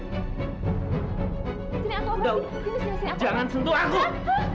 ya allah tangan kamu berdarah